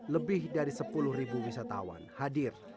lebih dari sepuluh wisatawan hadir